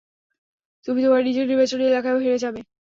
তুমি তোমার নিজের নির্বাচনী এলাকায়ও হেরে যাবে।